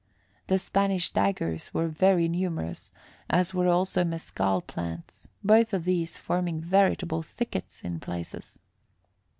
The Spanish daggers were very numerous, as were also mescal plants, both of these forming veritable thickets in places.